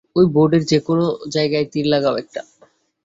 ওই বোর্ডের যেকোনো জায়গায় তীর লাগাও একটা।